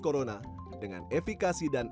corona dengan efikasi dan